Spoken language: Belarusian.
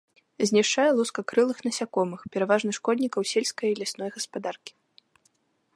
Знішчае лускакрылых насякомых, пераважна шкоднікаў сельскай і лясной гаспадаркі.